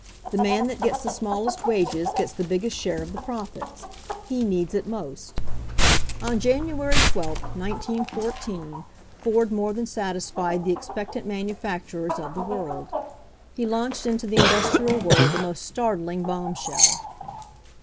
The man that gets the smallest wages gets the biggest share of the profits. He needs it most." On January 12, 19 14, Ford more than satis fied the expectant manufacturers of the world. He launched into the industrial world a most startling bombshell.